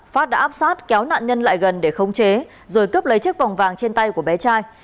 cơ quan cảnh sát kéo nạn nhân lại gần để không chế rồi cướp lấy chiếc vòng vàng trên tay của bé trai